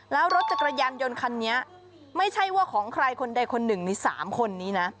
แล้วรถจักรยานยนต์คันนี้ไม่ใช่ว่าของใครคนใดคนหนึ่งใน๓คนนี้นะ